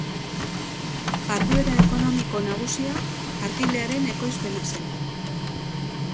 Jarduera ekonomiko nagusia, artilearen ekoizpena zen.